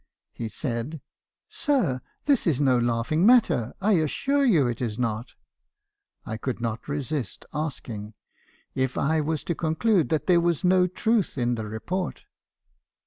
He said —" 'Sir! this is no laughing matter; I assure you it is not.' I could not resist asking, if 1 was to conclude that there was no truth in the report.